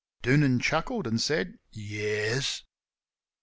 Doonan chuckled and said "Yes."